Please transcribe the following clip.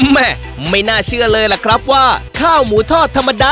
แม่ไม่น่าเชื่อเลยละครับว่าข้าวหมูทอดท่ามดาท่ามดา